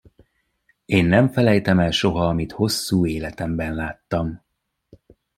Én nem felejtem el soha, amit hosszú életemben láttam.